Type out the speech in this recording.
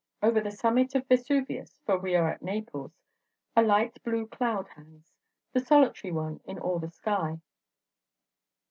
Over the summit of Vesuvius for we are at Naples a light blue cloud hangs, the solitary one in all the sky.